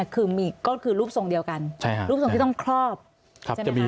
ก็คือรูปทรงเดียวกันรูปทรงที่ต้องครอบใช่ไหมคะใช่ค่ะใช่ค่ะ